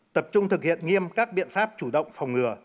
tập trung thực hiện nghiêm các biện pháp chủ động phòng ngừa